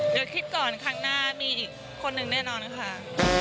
เดี๋ยวคิดก่อนครั้งหน้ามีอีกคนนึงแน่นอนค่ะ